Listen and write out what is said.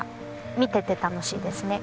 見ていて楽しいですね。